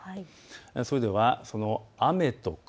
それではその雨と雲。